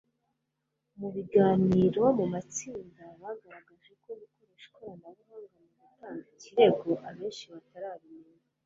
Mu biganiro mu matsinda bagaragaje ko gukoresha ikoranabuhanga mu gutanga ikirego abenshi batarabimenya